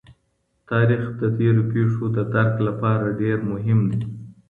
تاریخ د تېرو پېښو د درک لپاره ډېر مهم دی.